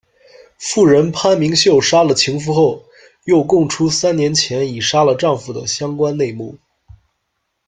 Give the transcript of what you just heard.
妇人潘明秀杀了情夫后，又供出三年前已杀了丈夫的相关内幕。